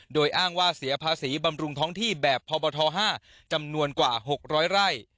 โดยอ้างว่าเสียภาษีบำรุงท้องที่แบบพบท๕จำนวนกว่า๖๐๐ไร่